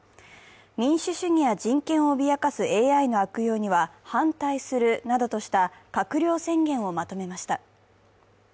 民主主義や人権を脅かすＡＩの悪用には反対するなどとした閣僚宣言をまとめました。